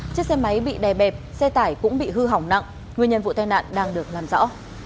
chiếc xe máy bị đè bẹp xe tải cũng bị hư hỏng nặng nguyên nhân vụ tai nạn đang được làm rõ